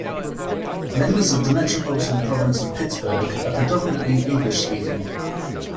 Members of the metropolitan province of Pittsburgh are predominantly English-speaking.